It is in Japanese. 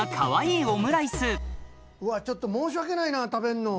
うわちょっと申し訳ないな食べんの。